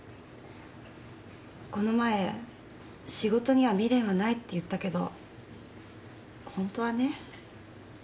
この前仕事には未練はないって言ったけどホントはね